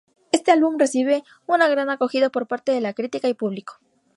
Este álbum recibe una gran acogida por parte de la crítica y público.